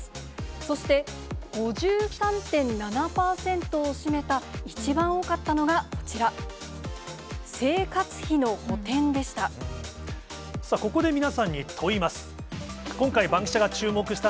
そして、５３．７％を占めた、一番多かったのがこちら、生活費の補填でした。